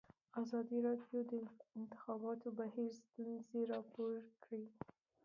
ازادي راډیو د د انتخاباتو بهیر ستونزې راپور کړي.